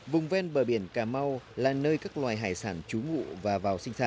vùng ven bờ biển cà mau là nơi các loài hải sản trú ngụ và vào sinh sản